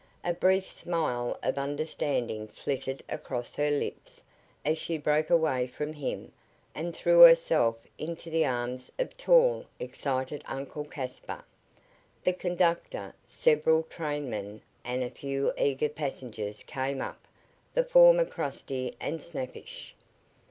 A brief smile of understanding flitted across her lips as she broke away from him and threw herself into the arms of tall, excited Uncle Caspar. The conductor, several trainmen and a few eager passengers came up, the former crusty and snappish.